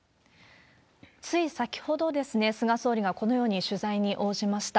つい先ほど、菅総理がこのように取材に応じました。